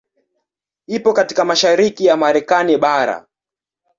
Iko katika mashariki ya Marekani bara.